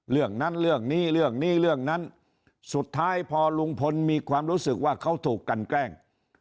เรื่องนั้นเรื่องนี้เรื่องนี้เรื่องนั้นสุดท้ายพอลุงพลมีความรู้สึกว่าเขาถูกกันแกล้ง